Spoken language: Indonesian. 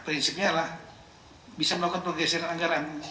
prinsipnya adalah bisa melakukan pergeseran anggaran